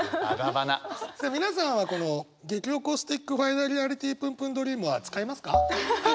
皆さんはこの激おこスティックファイナリアリティぷんぷんドリームは使いますか？